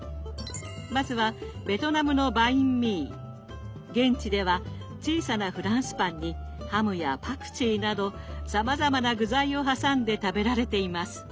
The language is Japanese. まずはベトナムの現地では小さなフランスパンにハムやパクチーなどさまざまな具材を挟んで食べられています。